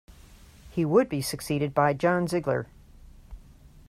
He would be succeeded by John Ziegler.